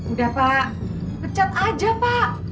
udah pak pecat aja pak